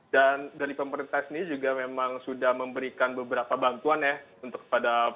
dan dari pemerintah ini juga memang sudah memberikan beberapa bantuan ya